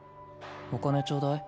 お金ちょうだい。